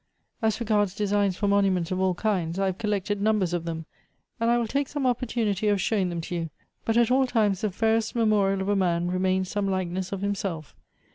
As regards designs for monuments of all kinds, I have collected numbers of them, and I will take some opportunity of sliowing them to you ; but at all times the fairest memo rial of a man remains some likeness of himself.